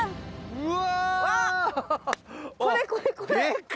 うわ。